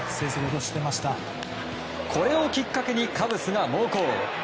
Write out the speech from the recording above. これをきっかけにカブスが猛攻。